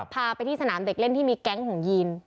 พาไปที่สนามเด็กเล่นที่มีแก๊งของยีน